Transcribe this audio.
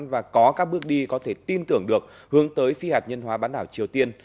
và có các bước đi có thể tin tưởng được hướng tới phi hạt nhân hóa bán đảo triều tiên